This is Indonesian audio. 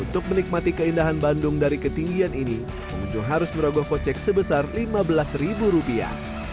untuk menikmati keindahan bandung dari ketinggian ini pengunjung harus merogoh kocek sebesar lima belas ribu rupiah